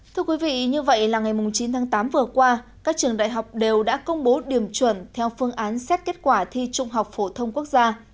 thưa quý vị như vậy là ngày chín tháng tám vừa qua các trường đại học đều đã công bố điểm chuẩn theo phương án xét kết quả thi trung học phổ thông quốc gia